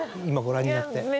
今ご覧になって。